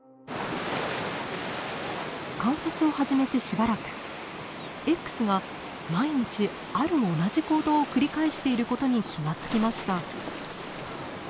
観察を始めてしばらくＸが毎日ある同じ行動を繰り返していることに気が付きました。